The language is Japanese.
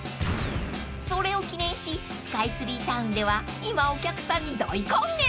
［それを記念しスカイツリータウンでは今お客さんに大還元］